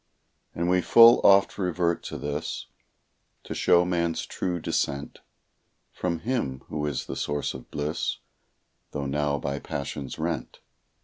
And we full oft revert to this, To show man's true descent From Him who is the source of bliss, Tho' now by passions rent.